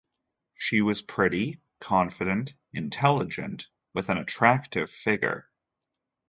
She was pretty, confident, intelligent, with an attractive figure.